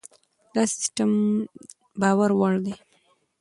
دا سیستم باور وړ دی.